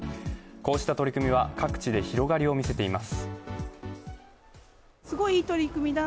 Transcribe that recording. こうした取り組みは各地で広がりを見せています。